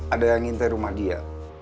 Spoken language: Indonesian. ada yang ngintai rumah dia